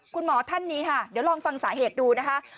คุณหมอท่านนี้ค่ะเดี๋ยวลองฟังสาเหตุดูนะคะ